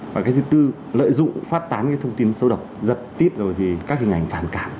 và thứ tư lợi dụng phát tán thông tin sâu độc giật tít rồi thì các hình ảnh phản cảm